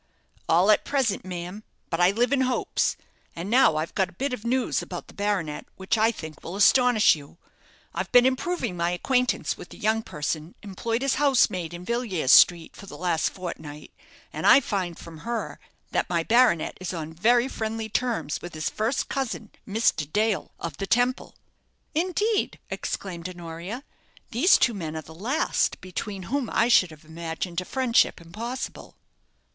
"All at present, ma'am; but I live in hopes. And now I've got a bit of news about the baronet, which I think will astonish you. I've been improving my acquaintance with the young person employed as housemaid in Villiers Street for the last fortnight, and I find from her that my baronet is on very friendly terms with his first cousin, Mr. Dale, of the Temple." "Indeed!" exclaimed Honoria. "These two men are the last between whom I should have imagined a friendship impossible."